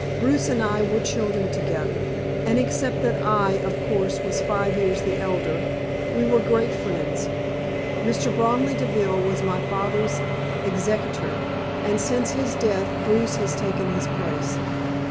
"Bruce and I were children together, and except that I, of course, was five years the elder, we were great friends. Mr. Bromley Deville was my father's executor, and since his death Bruce has taken his place."